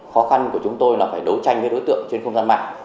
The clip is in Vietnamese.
khó khăn của chúng tôi là phải đấu tranh với đối tượng trên không gian mạng